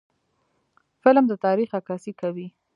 فلم د تاریخ عکاسي کوي